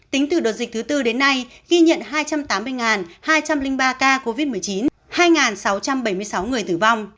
tính từ đợt dịch thứ tư đến nay ghi nhận hai trăm tám mươi hai trăm linh ba ca covid một mươi chín hai sáu trăm bảy mươi sáu người tử vong